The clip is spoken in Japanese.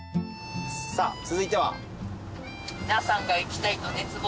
さあ続いては。